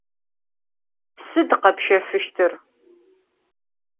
Sıd khepşefıştır?